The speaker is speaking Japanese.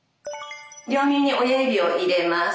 両耳に親指を入れます。